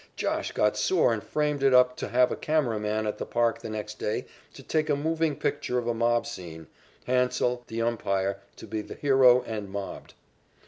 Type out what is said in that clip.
"Josh" got sore and framed it up to have a camera man at the park the next day to take a moving picture of a mob scene, Hansell, the umpire, to be the hero and mobbed.